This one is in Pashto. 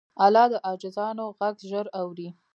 الله د عاجزانو غږ ژر اوري.